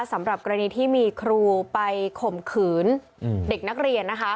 สำหรับกรณีที่มีครูไปข่มขืนเด็กนักเรียนนะคะ